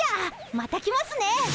また来ますね！